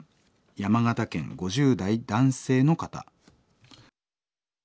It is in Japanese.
山形県５０代男性の方。